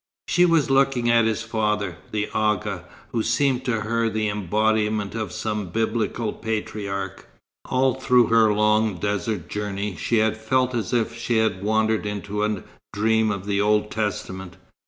She was looking at his father, the Agha, who seemed to her the embodiment of some biblical patriarch. All through her long desert journey, she had felt as if she had wandered into a dream of the Old Testament.